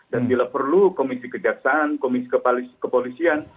dan bila perlu komisi kejaksaan komisi kepolisian